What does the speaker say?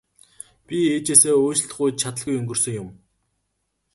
Би ээжээсээ уучлалт гуйж чадалгүй өнгөрсөн юм.